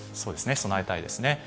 備えたいですね。